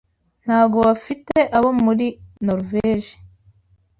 Ntabwo bafite abo muri Noruveje.